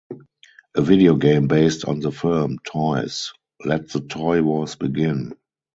A video game based on the film, Toys: Let the Toy Wars Begin!